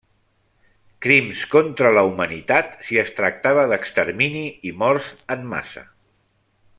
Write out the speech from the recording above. Crims contra la humanitat, si es tractava d’extermini i morts en massa.